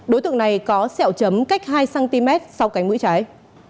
đối tượng này có sẹo chấm cách hai cm sau cánh mũi trái